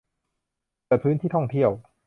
เปิดพื้นที่ท่องเที่ยว